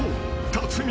［辰巳。